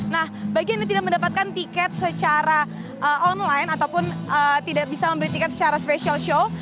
nah bagi yang tidak mendapatkan tiket secara online ataupun tidak bisa membeli tiket secara special show